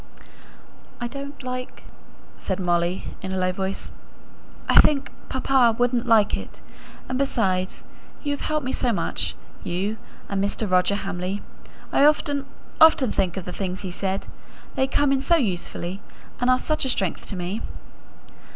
"I don't like," said Molly, in a low voice. "I think papa wouldn't like it. And, besides, you have helped me so much you and Mr. Roger Hamley. I often think of the things he said; they come in so usefully, and are such a strength to me."